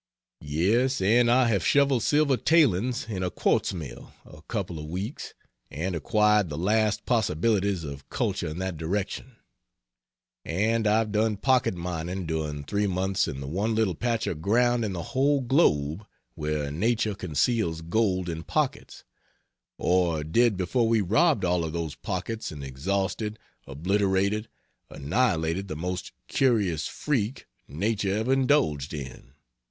Yes, and I have shoveled silver tailings in a quartz mill a couple of weeks, and acquired the last possibilities of culture in that direction. And I've done "pocket mining" during three months in the one little patch of ground in the whole globe where Nature conceals gold in pockets or did before we robbed all of those pockets and exhausted, obliterated, annihilated the most curious freak Nature ever indulged in.